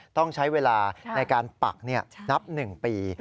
ต้องใช้เวลาในการปักนับ๑ปี